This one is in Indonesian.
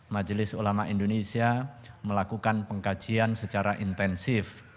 majelis ulama indonesia melakukan pengkajian secara intensif